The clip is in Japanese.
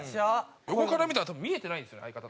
横から見たら多分見えてないんですよね相方。